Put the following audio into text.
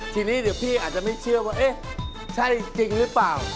ทีนี้เดี๋ยวพี่อาจจะไม่เชื่อว่าเอ๊ะใช่จริงหรือเปล่า